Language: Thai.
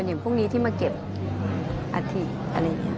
อย่างพวกนี้ที่มาเก็บอัฐิอะไรอย่างนี้